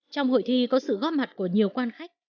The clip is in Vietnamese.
trong hội thi có sự góp mặt của nhiều quan khách